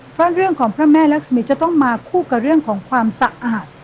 เพราะเรื่องของพระแม่รักษมีจะต้องมาคู่กับเรื่องของความสะอาด